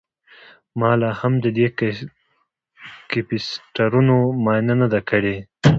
ما لاهم د دې کیپیسټرونو معاینه نه ده کړې